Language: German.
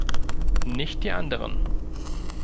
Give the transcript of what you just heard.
Nicht die anderen!